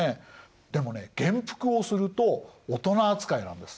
でもね元服をすると大人扱いなんです。